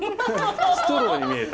ストローに見えた。